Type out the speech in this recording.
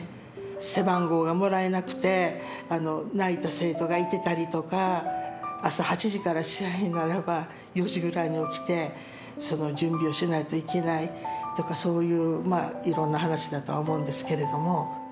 背番号がもらえなくて泣いた生徒がいてたりとか朝８時から試合ならば４時ぐらいに起きてその準備をしないといけないとかそういういろんな話だとは思うんですけれども。